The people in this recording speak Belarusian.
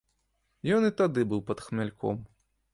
Ён і тады быў пад хмяльком.